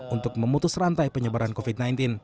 untuk memutus rantai penyebaran covid sembilan belas